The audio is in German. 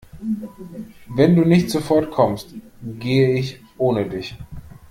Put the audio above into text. Wenn du nicht sofort kommst, gehe ich ohne dich.